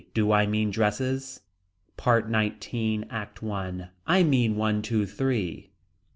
Do I mean dresses. PART XIX. ACT I. I mean one two three.